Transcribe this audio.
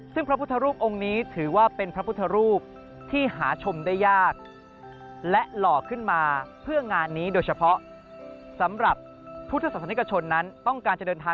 ซึ่งพระพุทธรูปองค์นี้ถือว่าเป็นพระพุทธรูปที่หาชมได้ยาก